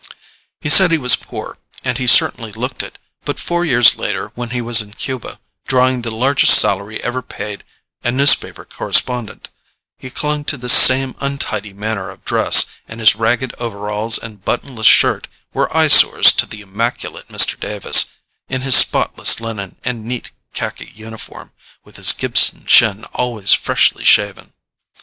He said he was poor, and he certainly looked it, but four years later when he was in Cuba, drawing the largest salary ever paid a newspaper correspondent, he clung to this same untidy manner of dress, and his ragged overalls and buttonless shirt were eyesores to the immaculate Mr. Davis, in his spotless linen and neat khaki uniform, with his Gibson chin always freshly shaven.